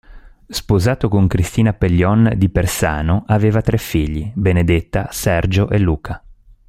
Sposato con Cristina Pellion di Persano, aveva tre figli: Benedetta, Sergio e Luca.